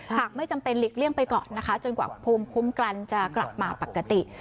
หากไม่จำเป็นหลีกเลี่ยงไปก่อนนะคะจนกว่าภูมิคุ้มกันจะกลับมาปกติ